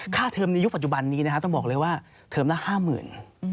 เทอมในยุคปัจจุบันนี้นะครับต้องบอกเลยว่าเทอมละ๕๐๐๐บาท